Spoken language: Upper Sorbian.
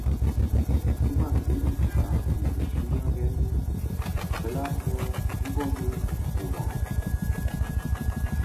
Syman Hejduška je ze šulerjemi wšelake bubony wupruwował.